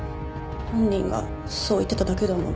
本人がそう言ってただけだもの。